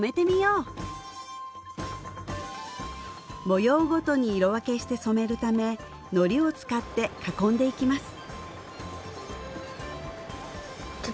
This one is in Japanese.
模様ごとに色分けして染めるためのりを使って囲んでいきます